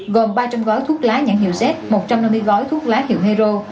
gồm ba trăm linh gói thuốc lá nhãn hiệu z một trăm năm mươi gói thuốc lá hiệu hero